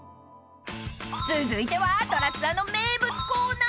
［続いては『ドラツア』の名物コーナー！］